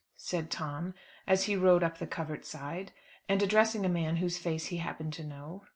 said Tom as he rode up the covert side, and addressing a man whose face he happened to know.